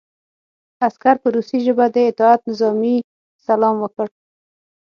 عسکر په روسي ژبه د اطاعت نظامي سلام وکړ